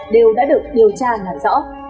đều đã được điều tra làn rõ